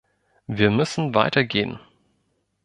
Wir müssen weiter gehen!